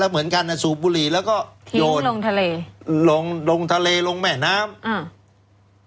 เหมือนกันอ่ะสูบบุหรี่แล้วก็โยนลงทะเลลงลงทะเลลงแม่น้ำอ่า